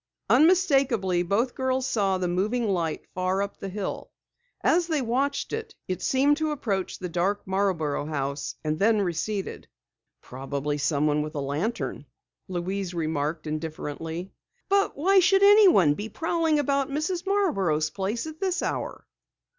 Unmistakably, both girls saw the moving light far up the hill. As they watched, it seemed to approach the dark Marborough house, and then receded. "Probably someone with a lantern," Louise remarked indifferently. "But why should anyone be prowling about Mrs. Marborough's place at this hour?"